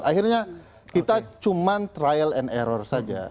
akhirnya kita cuma trial and error saja